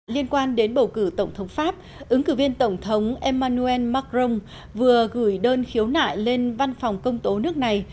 liên quan đến bầu cử tổng thống pháp ứng cử viên tổng thống emmanuel macron vừa gửi đơn khiếu nại lên văn phòng công tố nước này